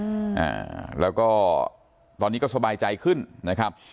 อ่าแล้วก็ตอนนี้ก็สบายใจขึ้นนะครับ